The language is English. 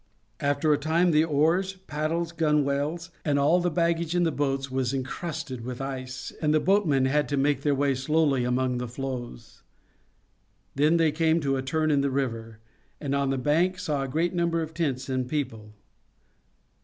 After a time the oars, paddles, gunwales, and all the baggage in the boats was encrusted with ice, and the boatmen had to make their way slowly among the floes. Then they came to a turn in the river, and on the bank saw a great number of tents and people.